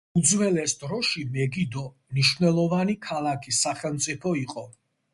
უძველეს დროში, მეგიდო მნიშვნელოვანი ქალაქი-სახელმწიფო იყო.